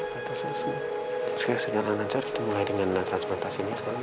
kita mulai dengan transhyun